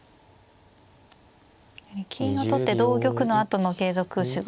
金を取って同玉のあとの継続手が。